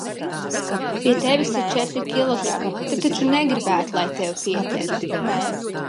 Pie tevis ir četri kilogrami, tu taču negribētu, lai tevi pieķer?